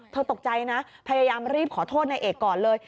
ตกใจนะพยายามรีบขอโทษนายเอกก่อนเลย